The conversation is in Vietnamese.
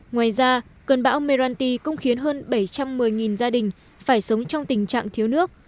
ngoài ra cơn bão meranti cũng khiến hơn bảy trăm một mươi gia đình phải sống trong tình trạng thiếu nước